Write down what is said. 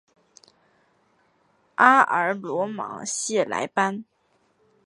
阿尔罗芒谢莱班。